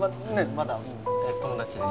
まだ友達です。